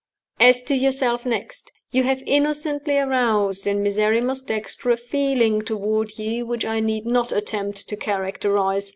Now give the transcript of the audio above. "As to yourself next. You have innocently aroused in Miserrimus Dexter a feeling toward you which I need not attempt to characterize.